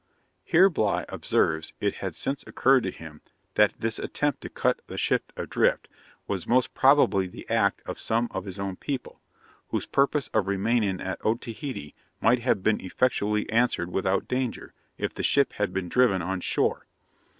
Here Bligh observes, it had since occurred to him, that this attempt to cut the ship adrift was most probably the act of some of his own people; whose purpose of remaining at Otaheite might have been effectually answered without danger, if the ship had been driven on shore.